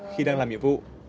khi đang làm nhiệm vụ